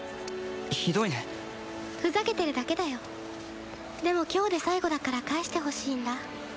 ひどいねふざけてるだけだよでも今日で最後だから返してほしいんだ